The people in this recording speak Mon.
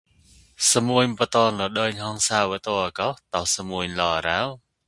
သၟိၚ်ပ္တန်လဝ်ဍုၚ်ဟံသာဝတဳဂှ်ဒှ်သၟိၚ်လဵုရော